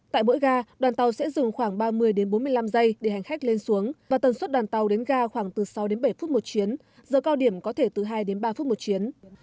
tại mỗi ga đoàn tàu sẽ dừng khoảng ba mươi đến bốn mươi năm giây để hành khách lên xuống và tần suất đoàn tàu đến ga khoảng từ sáu đến bảy phút một chuyến giờ cao điểm có thể từ hai đến ba phút một chuyến